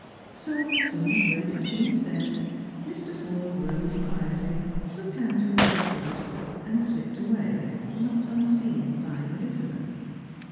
So, as soon as grace had been said, Mr. Forde rose quietly, shook hands with Gertrude, and slipped away, not unseen by Ehza beth.